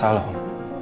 gak salah om